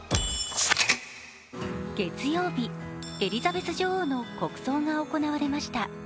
月曜日、エリザベス女王の国葬が行われました。